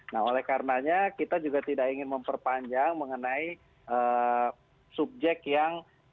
nah oleh karenanya kita juga tidak ingin memperpanjang mengenai subjek yang